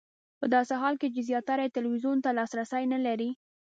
په داسې حال کې چې زیاتره یې ټلویزیون ته لاسرسی نه لري.